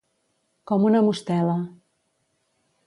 Com una mostela.